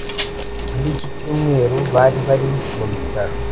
Muri iki cyumweru bari bari mu bitaro